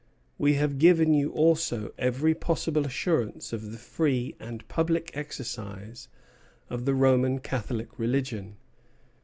We have given you also every possible assurance of the free and public exercise of the Roman Catholic religion.